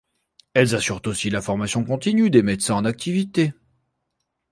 Elles assurent aussi la formation continue des médecins en activité.